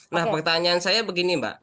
nah pertanyaan saya begini mbak